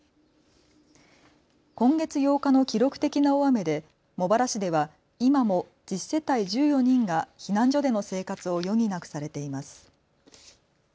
今月８日の記録的な大雨で茂原市では今も１０世帯１４人が避難所での生活を余儀なくされています。